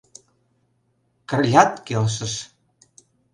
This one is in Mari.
Кырлят келшыш.